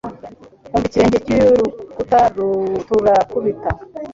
Umva ikirenge cyurukuta turakubita